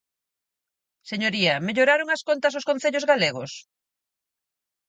Señoría, ¿melloraron as contas os concellos galegos?